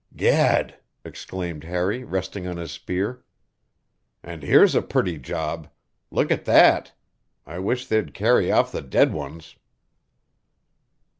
"Gad!" exclaimed Harry, resting on his spear. "And here's a pretty job. Look at that! I wish they'd carry off the dead ones."